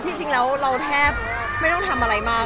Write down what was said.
ที่จริงนะเราแทบไม่ต้องทำอะไรมาก